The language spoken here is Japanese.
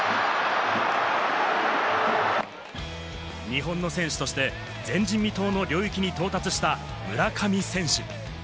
日本の選手として前人未踏の領域に到達した村上選手。